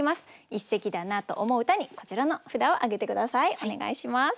一席だなと思う歌にこちらの札を挙げて下さいお願いします。